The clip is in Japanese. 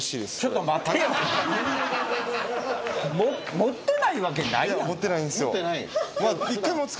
持ってないわけないやんか。